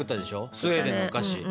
スウェーデンのお菓子。